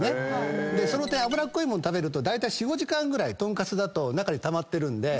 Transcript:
その点脂っこい物食べると４５時間ぐらいトンカツだと中にたまってるんで。